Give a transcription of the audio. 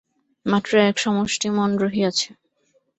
মাত্র এক সমষ্টি মন রহিয়াছে।